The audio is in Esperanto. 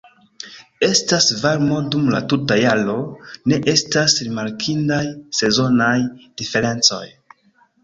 Estas varmo dum la tuta jaro, ne estas rimarkindaj sezonaj diferencoj.